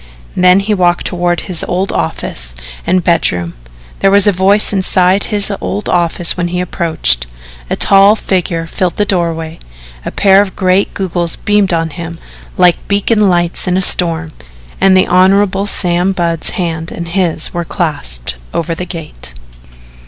Then he walked toward his old office and bedroom. There was a voice inside his old office when he approached, a tall figure filled the doorway, a pair of great goggles beamed on him like beacon lights in a storm, and the Hon. Sam Budd's hand and his were clasped over the gate.